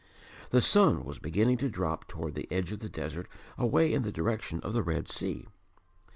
The sun was beginning to drop toward the edge of the desert away in the direction of the Red Sea.